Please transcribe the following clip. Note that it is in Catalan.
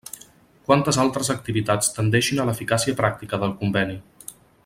Quantes altres activitats tendeixin a l'eficàcia pràctica del Conveni.